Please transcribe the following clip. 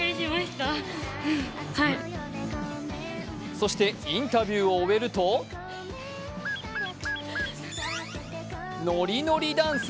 そして、インタビューを終えるとノリノリダンス！